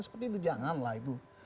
seperti itu janganlah itu